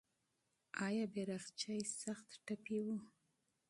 آیا بیرغچی سخت زخمي و؟